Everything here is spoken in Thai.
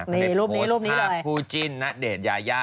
คุณเดชน์โพสต์ภาพภูจินณเดชน์ยายา